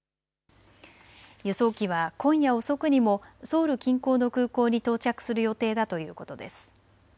輸送機は今夜遅くにもソウル近郊の空港に到着する予定だということです。